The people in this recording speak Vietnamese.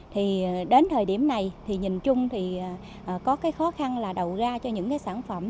thì đến thời điểm này thì nhìn chung thì có cái khó khăn là đầu ra cho những cái sản phẩm